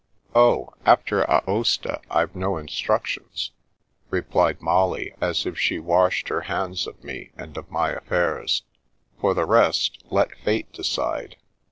'^" Oh, after Aosta, I've no instructions," replied Molly, as if she washed her hands of me and of my affairs. " For the rest, let Fate decide."